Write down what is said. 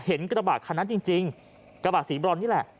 กระบะคันนั้นจริงกระบะสีบรอนนี่แหละ